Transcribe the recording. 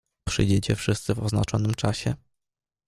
"Przyjdziecie wszyscy w oznaczonym czasie."